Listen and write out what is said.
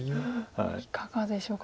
いかがでしょうか？